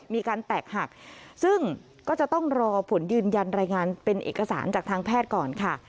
มีการแตกหักซึ่งก็จะต้องรอผลยืนยันรายงานเป็นเอกสารจากทางแพทย์ก่อนค่ะ